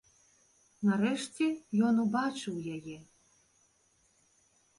Нарэшце ён убачыў яе.